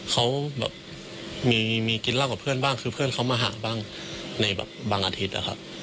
เขามีกินเรื่องกับเพื่อนบ้างคือเพื่อนเขามาหาบ้างในบางอาทิตย์ครับ